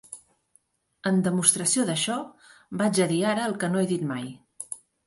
En demostració d'això, vaig a dir ara el que no he dit mai.